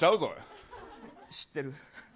知ってる。